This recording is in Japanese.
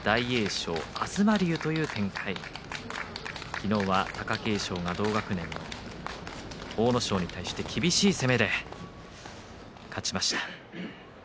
昨日は貴景勝が同学年の阿武咲に対して厳しい攻めで勝ちました。